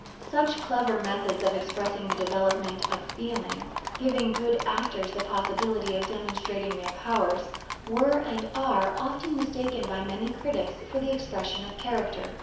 Such clever methods of expressing the development of feeling, giving good actors the possibility of demonstrating their powers, were, and are, often mistaken by many critics for the expression of character.